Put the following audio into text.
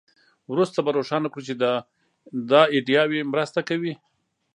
وروسته به روښانه کړو چې دا ایډیاوې مرسته کوي